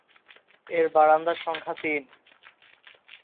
এর বারান্দা সংখ্যা তিন।